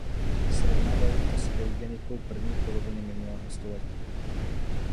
Srovnávají to s eugenikou první poloviny minulého století.